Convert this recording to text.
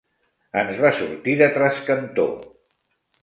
Ens va sortir de trascantó.